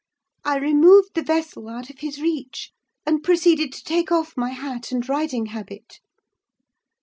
I removed the vessel out of his reach, and proceeded to take off my hat and riding habit.